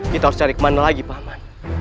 kita harus cari kemana lagi pak man